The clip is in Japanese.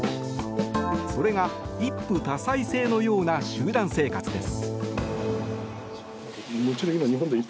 それが、一夫多妻制のような集団生活です。